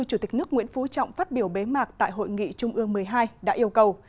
chủ tịch nước nguyễn phú trọng phát biểu bế mạc tại hội nghị trung ương một mươi hai đã yêu cầu